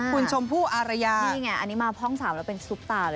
คุณชมพู่อารยานี่ไงอันนี้มาพ่อง๓แล้วเป็นซุปตาเลย